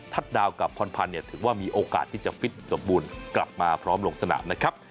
ดาวกับพรพันธ์ถือว่ามีโอกาสที่จะฟิตสมบูรณ์กลับมาพร้อมลงสนามนะครับ